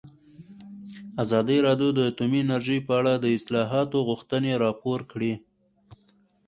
ازادي راډیو د اټومي انرژي په اړه د اصلاحاتو غوښتنې راپور کړې.